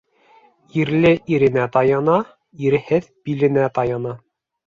Ирле иренә таяна, ирһеҙ биленә таяна.